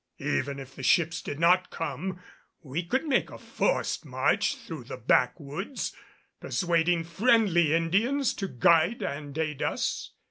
Even if the ships did not come we would make a forced march through the backwoods, persuading friendly Indians to guide and aid us.